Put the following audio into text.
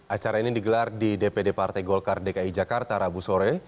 acara ini digelar di dpd partai golkar dki jakarta rabu sore